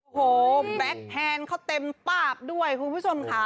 โหแบล็คแฮนด์เขาเต็มปากด้วยคุณผู้ชมค่ะ